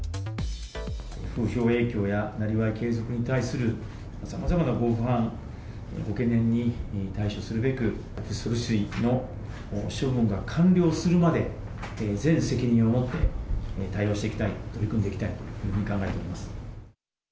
風評影響やなりわい継続に対するさまざまなご不安、ご懸念に対処するべく、処理水の処分が完了するまで、全責任を持って対応していきたい、取り組んでいきたいというふうに考えております。